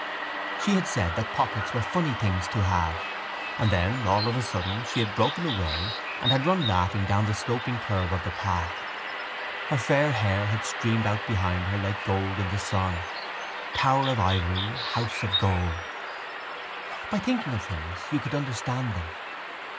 She had said that pockets were funny things to have: and then all of a sudden she had broken away and had run laughing down the sloping curve of the path. Her fair hair had streamed out behind her like gold in the sun. Tower of Ivory. House of Gold. By thinking of things you could understand them.